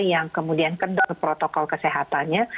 yang kemudian kendor protokol kesehatannya